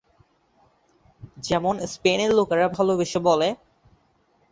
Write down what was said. যেমন স্পেনের লোকেরা ভালোবেসে বলে।